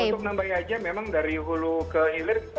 untuk nambahnya aja memang dari hulu ke hilir